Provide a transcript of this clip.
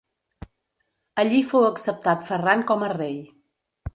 Allí fou acceptat Ferran com a rei.